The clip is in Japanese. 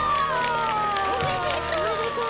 おめでとう！